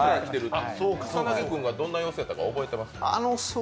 草薙君がどんな様子やったか覚えてますか？